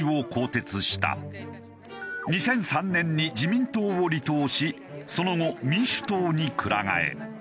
２００３年に自民党を離党しその後民主党にくら替え。